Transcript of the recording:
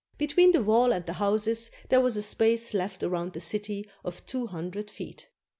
Between the wall and the houses there was a space left around the city of two hundred feet.